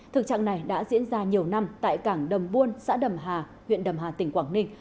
thực trạng này đã diễn ra nhiều năm tại cảng đầm buôn xã đầm hà huyện đầm hà tỉnh quảng ninh